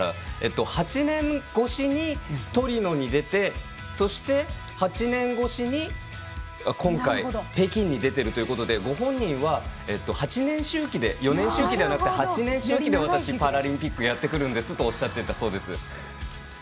８年越しにトリノに出てそして、８年越しに今回北京に出ているということでご本人は４年周期ではなく８年周期で私、パラリンピックやってくるんですとおっしゃってたそうです。